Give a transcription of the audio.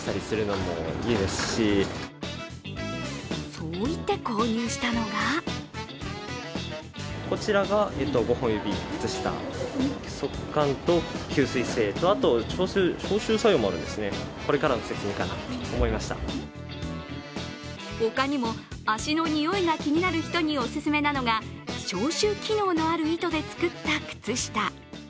そう言って購入したのが他にも、足のにおいが気になる人にお勧めなのが消臭機能のある糸で作った靴下。